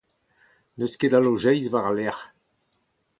N'eus ket a lojeiz war al lec'h.